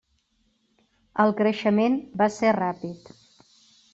El creixement va ser ràpid.